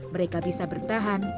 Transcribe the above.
mereka bisa bertahan